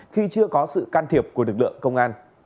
khi chưa có sự can thiệp của lực lượng công an